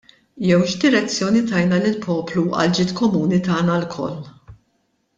Jew x'direzzjoni tajna lill-poplu għal ġid komuni tagħna lkoll?